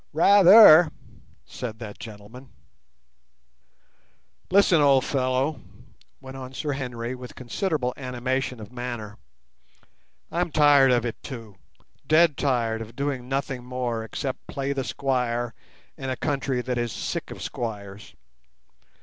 "Rather," said that gentleman. "Listen, old fellow," went on Sir Henry, with considerable animation of manner. "I'm tired of it too, dead tired of doing nothing more except play the squire in a country that is sick of squires.